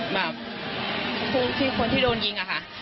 แบบผู้ที่คนที่โดนยิงอะค่ะ